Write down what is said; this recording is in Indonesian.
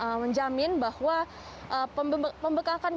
pembekakan biaya biaya terduga yang muncul selama proses pembangunan proyek kereta cepat